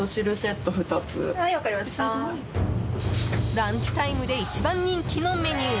ランチタイムで一番人気のメニュー